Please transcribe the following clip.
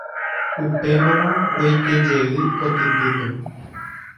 Upémarõ roikejey kotypýpe.